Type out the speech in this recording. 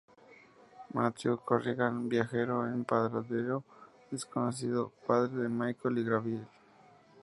Matthew Corrigan Viajero en paradero desconocido, padre de Michael y Gabriel.